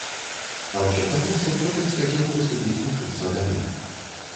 А ўсё таму, што хлопец хацеў паступіць вучыцца далей.